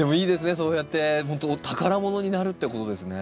そうやってほんと宝物になるってことですね。